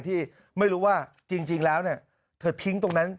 ที่ไม่รู้ว่าจริงแล้วเธอทิ้งตรงนั้น